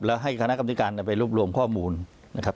แล้วให้คณะกรรมธิการไปรวบรวมข้อมูลนะครับ